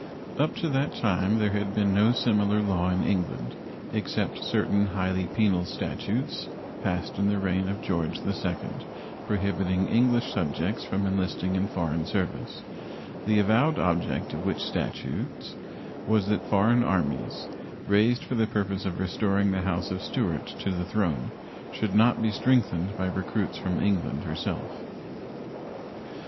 Up to that time there had been no similar law in England, except certain highly penal statutes passed in the reign of George II, prohibiting English subjects from enlisting in foreign service, the avowed object of which statutes was that foreign armies, raised for the purpose of restoring the house of Stuart to the throne, should not be strengthened by recruits from England herself.